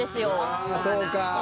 ああそうか。